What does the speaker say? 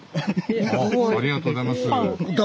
ありがとうございます。